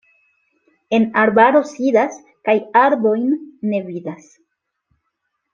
En arbaro sidas kaj arbojn ne vidas.